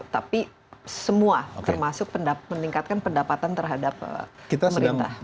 tapi semua termasuk meningkatkan pendapatan terhadap pemerintah